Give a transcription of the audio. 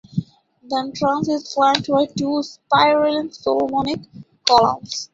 The entrance is flanked by two spiraling Solomonic columns.